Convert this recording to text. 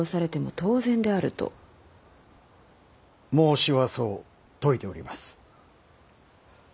孟子はそう説いております。